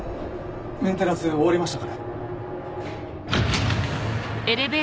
メンテナンス終わりましたかね？